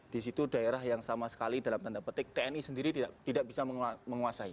di situ daerah yang sama sekali dalam tanda petik tni sendiri tidak bisa menguasai